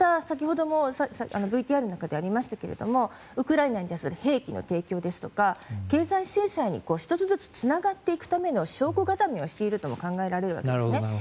先ほどもＶＴＲの中にありましたがウクライナに対する兵器の提供ですとか経済制裁に、１つずつつながっていくための証拠固めをしていると考えられるわけですね。